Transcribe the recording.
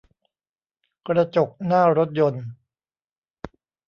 กระจกหน้ารถยนต์